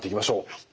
はい。